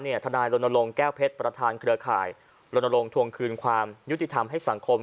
ทนายรณรงค์แก้วเพชรประธานเครือข่ายลนลงทวงคืนความยุติธรรมให้สังคม